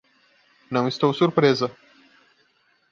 Não estou surpresa.